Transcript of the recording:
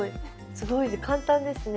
すごい簡単ですね。